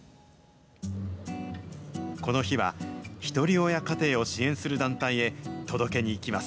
この日は、一人親家庭を支援する団体へ届けにいきます。